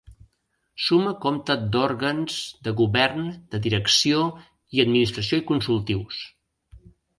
Suma compta d'òrgans de govern, de direcció i administració i consultius.